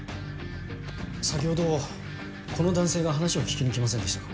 先ほどこの男性が話を聞きに来ませんでしたか？